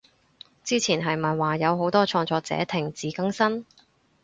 之前係咪話有好多創作者停止更新？